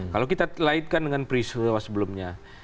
kalau kita laitkan dengan peristiwa sebelumnya